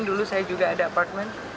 dulu saya juga ada apartment